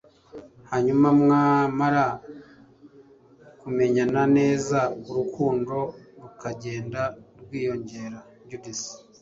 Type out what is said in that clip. Hanyuma mwamara kumenyana neza urukundo rukagenda rwiyongera Judith